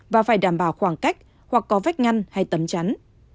và phải đảm bảo khoảng cách hoặc có vách ngăn hay tấm chắn